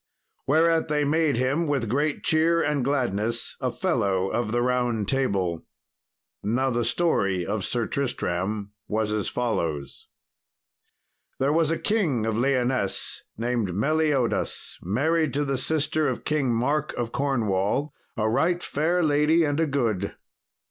Whereat they made him, with great cheer and gladness, a Fellow of the Round Table. Now the story of Sir Tristram was as follows: There was a king of Lyonesse, named Meliodas, married to the sister of King Mark of Cornwall, a right fair lady and a good.